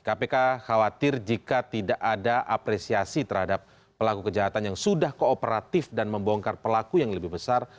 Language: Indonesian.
kpk khawatir jika tidak ada apresiasi terhadap pelaku kejahatan yang sudah kooperatif dan membongkar pelaku yang lebih besar